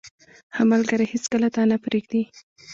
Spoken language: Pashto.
• ښه ملګری هیڅکله تا نه پرېږدي.